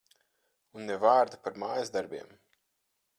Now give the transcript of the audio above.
Un ne vārda par mājasdarbiem.